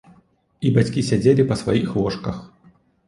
І бацькі сядзелі па сваіх ложках.